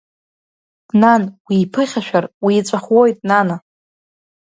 Нан, уиԥыхьашәар, уиҵәахуоит, нана!